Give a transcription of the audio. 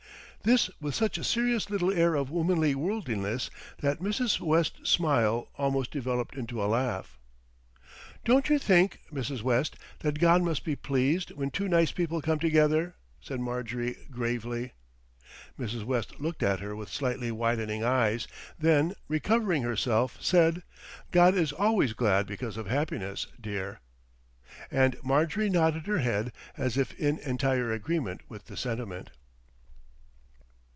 This with such a serious little air of womanly worldliness that Mrs. West's smile almost developed into a laugh. "Don't you think, Mrs. West, that God must be pleased when two nice people come together?" said Marjorie gravely. Mrs. West looked at her with slightly widening eyes, then recovering herself, said, "God is always glad because of happiness, dear." And Marjorie nodded her head as if in entire agreement with the sentiment.